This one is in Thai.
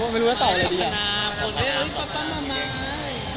ไม่รู้ว่าไปต่อเลย